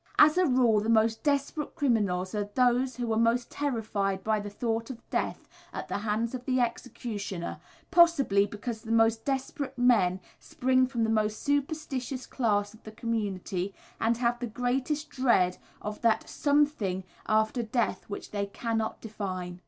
As a rule the most desperate criminals are those who are most terrified by the thought of death at the hands of the executioner, possibly, because the most desperate men spring from the most superstitious class of the community, and have the greatest dread of that "something" after death which they cannot define.